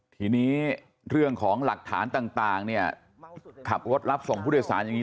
ทีนี้เรื่องของหลักฐานต่างเนี่ยขับรถรับส่งผู้โดยสารอย่างนี้